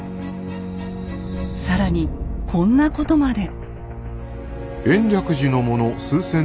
更にこんなことまで。